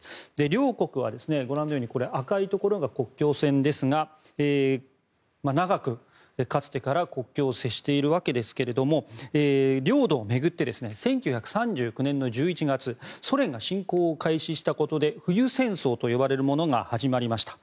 両国は、ご覧のように赤いところが国境線ですが長く、かつてから国境を接しているわけですが領土を巡って１９３９年の１１月ソ連が侵攻を開始したことで冬戦争と呼ばれるものが始まりました。